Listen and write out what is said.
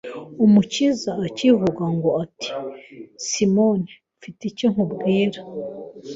Umukiza akivugaho ati : "Simoni mfite icyo nkubwira: